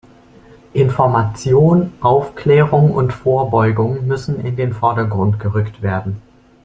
Information, Aufklärung und Vorbeugung müssen in den Vordergrund gerückt werden.